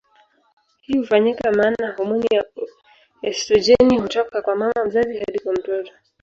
Hii hufanyika maana homoni ya estrojeni hutoka kwa mama mzazi hadi kwa mtoto.